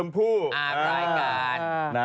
อุ้ยอัพเดททุกอย่าง